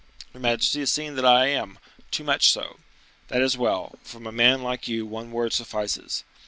"Your majesty has seen that I am, too much so." "That is well; from a man like you one word suffices.